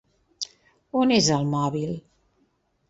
On és el mòbil?